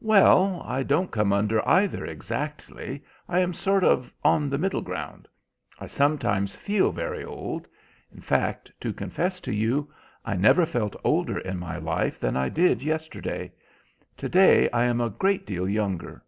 "Well, I don't come under either exactly. I am sort of on the middle ground. I sometimes feel very old. In fact, to confess to you, I never felt older in my life than I did yesterday. Today I am a great deal younger."